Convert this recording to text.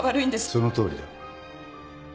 そのとおりだ。